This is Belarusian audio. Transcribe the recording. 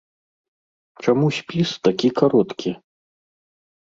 Чаму спіс такі кароткі?